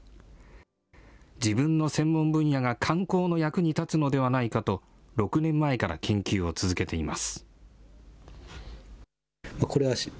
自分の専門分野が観光の役に立つのではないかと、６年前から研究を続けています。